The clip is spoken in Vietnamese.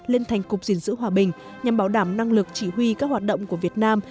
lên thành cục diện giữ hòa bình nhằm bảo đảm năng lực chỉ huy các hoạt động của việt nam